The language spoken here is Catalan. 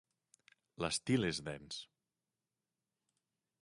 L'estil és dens.